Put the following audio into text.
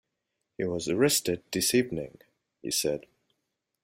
"He was arrested this evening," he said.